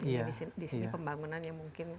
jadi di sini pembangunan yang mungkin